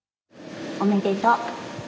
おめでとう。